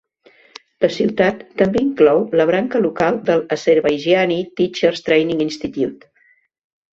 La ciutat també inclou la branca local del Azerbaijani Teachers Training Institute.